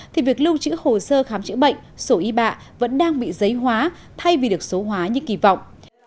thì việc lưu trữ hồ sơ khám chữa bệnh sổ y bạ vẫn đang bị giấy hóa thay vì được số hóa như kỳ vọng